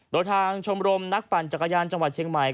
โดยทางชมรมนักปั่นจักรยานจังหวัดเชียงใหม่